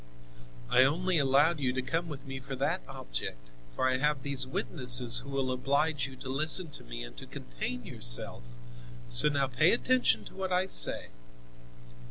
I only allowed you to come with me for that object, for I have these witnesses who will oblige you to listen to me and to contain yourself, so now pay attention to what I say.